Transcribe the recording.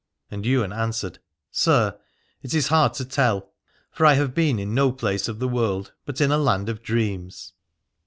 And Ywain answered : Sir, it is hard to tell : for I have been in no place of the world, but in a land of dreams.